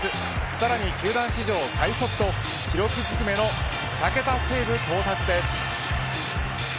さらに球団史上最速と記録ずくめの２桁セーブ到達です。